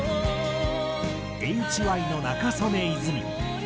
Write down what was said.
ＨＹの仲宗根泉。